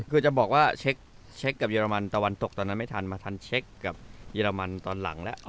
คือจะบอกว่าเช็คกับเรมันตะวันตกตอนนั้นไม่ทันมาทันเช็คกับเยอรมันตอนหลังแล้ว